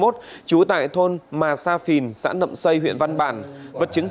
trú tại thôn mà sa phìn xã nậm xây huyện văn bàn